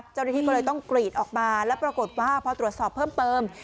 เจ้าหน้าที่ก็เลยต้องกรีดออกมาแล้วปรากฏว่าพอตรวจสอบเพิ่มเติม